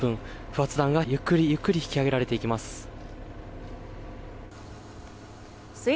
不発弾がゆっくりゆっくり引き上げられていきます。